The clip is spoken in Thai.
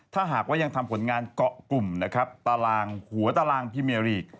ถ้าหากว่ายังทำผลงานเกาะกลุ่มหัวตารางพรีเมียร์ลีก